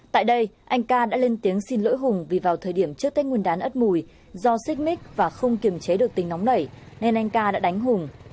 tại đây anh ca đã lên tiếng xin lỗi hùng vì vào thời điểm trước tết nguyên đán ất mùi do xích mít và không kiềm chế được tính nóng nảy nên anh ca đã đánh hùng